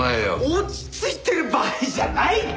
落ち着いてる場合じゃない！